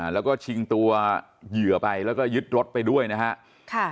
แล้วก็ชิงตัวเหยื่อไปแล้วก็ยึดรถไปด้วยนะครับ